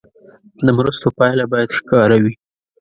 د مرستو پایله باید ښکاره وي.